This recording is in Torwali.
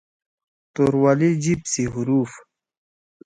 توروالی جیِب سی حروف